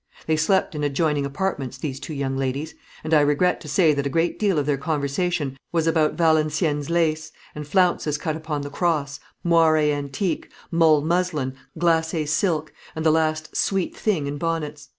They slept in adjoining apartments, these two young ladies; and I regret to say that a great deal of their conversation was about Valenciennes lace, and flounces cut upon the cross, moire antique, mull muslin, glacé silk, and the last "sweet thing" in bonnets.